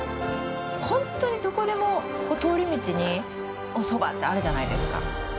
ホントにどこでも通り道におそばってあるじゃないですか。